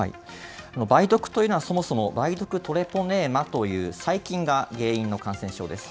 梅毒というのは、そもそも梅毒トレポネーマという最近が原因の感染症です。